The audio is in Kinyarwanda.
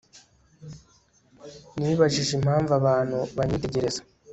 nibajije impamvu abantu banyitegereza